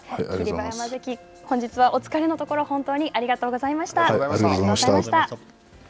馬山関、本日はお疲れのところ、ありがとうございました。